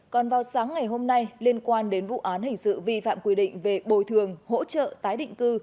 còn vào sáng ngày hôm nay liên quan đến vụ án hình sự vi phạm quy định về bồi thường hỗ trợ tái định cư